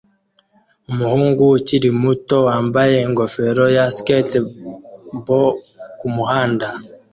Umuhungu ukiri muto wambaye ingofero ya skatebo kumuhanda